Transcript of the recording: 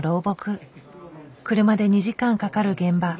車で２時間かかる現場。